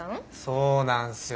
そうなんすよ。